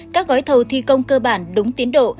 các gói thầu thi công cơ bản đúng tiến độ